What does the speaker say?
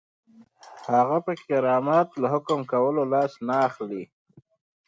هغه پر کرامت له حکم کولو لاس نه اخلي.